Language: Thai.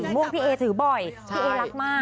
ม่วงพี่เอถือบ่อยพี่เอรักมาก